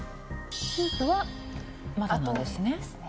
スープはまだなんですね